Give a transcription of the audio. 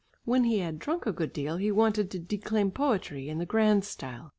When he had drunk a good deal, he wanted to declaim poetry in the grand style.